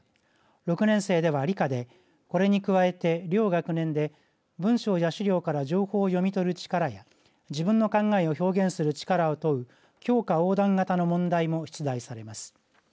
６年生では理科でこれに加えて両学年で文章や資料から情報を読み取る力や自分の考えを表現する力を問う教科横断型の問題も出題されます。